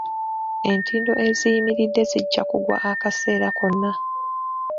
Entindo eziyimiridde zijja kugwa akaseera konna.